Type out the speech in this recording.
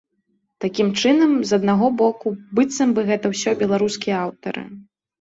Такім чынам, з аднаго боку, быццам бы гэта ўсё беларускія аўтары.